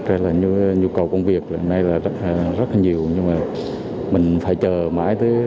đây là nhu cầu công việc hôm nay là rất là nhiều nhưng mà mình phải chờ mãi tới